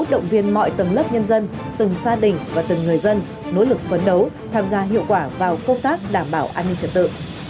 động viên mọi tầng lớp nhân dân từng gia đình và từng người dân nỗ lực phấn đấu tham gia hiệu quả vào công tác đảm bảo an ninh trật tự